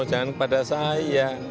jangan kepada saya